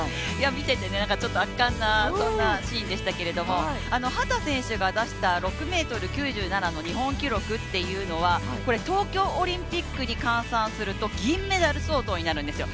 見ていて圧巻なシーンでしたけども秦選手が出した６ｍ９７の日本記録というのはこれ、東京オリンピックに換算すると銀メダル相当になるんですよ。